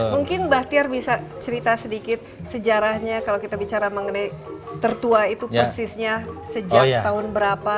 mungkin bahtiar bisa cerita sedikit sejarahnya kalau kita bicara mengenai tertua itu persisnya sejak tahun berapa